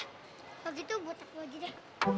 kalau gitu buat takut lagi deh